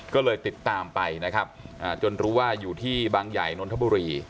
ก็เลยติดตามไปนะครับจนรู้ว่าอยู่ที่บางใหญ่นนทบุรี